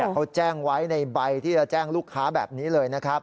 เขาแจ้งไว้ในใบที่จะแจ้งลูกค้าแบบนี้เลยนะครับ